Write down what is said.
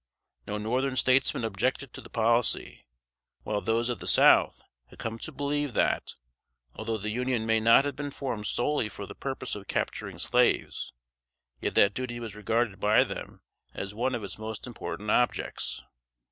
No Northern statesmen objected to the policy; while those of the South had come to believe that, although the Union may not have been formed solely for the purpose of capturing slaves, yet that duty was regarded by them as one of its most important objects.